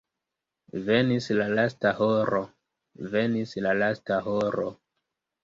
Venis la lasta horo, venis la lasta horo!